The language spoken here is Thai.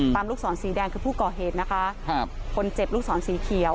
ลูกศรสีแดงคือผู้ก่อเหตุนะคะครับคนเจ็บลูกศรสีเขียว